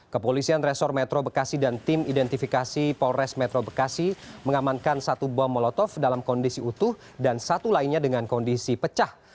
kepolisian resor metro bekasi dan tim identifikasi polres metro bekasi mengamankan satu bom molotov dalam kondisi utuh dan satu lainnya dengan kondisi pecah